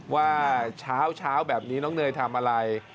ว่าเช้าแบบนี้น้องเนยทำอะไร